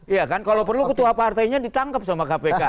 iya kan kalau perlu ketua partainya ditangkap sama kpk